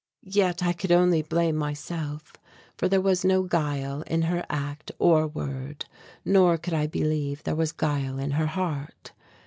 Yet I could only blame myself, for there was no guile in her act or word, nor could I believe there was guile in her heart.